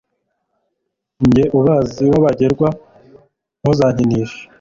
Jye ubazi wabagerwa ntuzankinishe